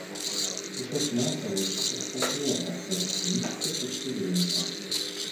Кусок мяса лучше куска хлеба даже с химической точки зрения.